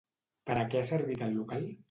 Per a què ha servit el local?